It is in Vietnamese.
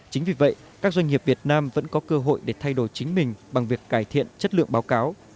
chính vì vậy các doanh nghiệp việt nam vẫn có cơ hội để thay đổi chính mình bằng việc cải thiện chất lượng báo cáo